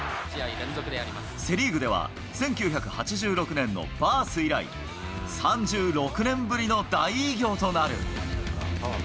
セ・リーグでは、１９８６年のバース以来、３６年ぶりの大偉業となる。